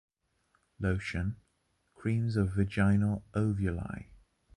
Lotion, creams or vaginal ovuli.